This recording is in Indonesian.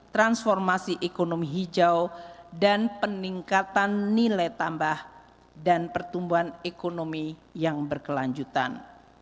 transformasi ekonomi hijau dan peningkatan nilai tambah dan pertumbuhan ekonomi yang berkelanjutan